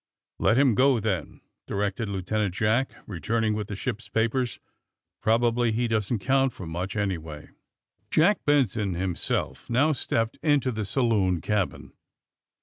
^^Let him go, then," directed Lieutenant Jack, returning with the ship 's papers. ^' Probably he doesn't count for much, anyway." 214 THE SUBMAEINE BOYS Jack Benson himself now stepped into the sa loon cabin.